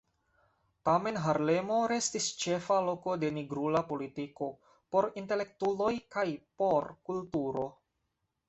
Tamen Harlemo restis ĉefa loko de nigrula politiko, por intelektuloj kaj por kulturo.